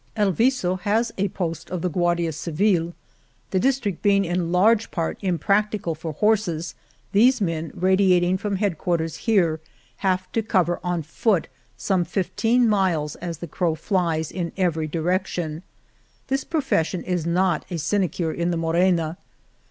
El Viso has a post of the Guardia Civile. The district being in large part impractica 194 The Morena ble for horses, these men radiating from head quarters here have to cover on foot some fifteen miles as the crow flies, in every di rection. This profession is not a sinecure in the Morena.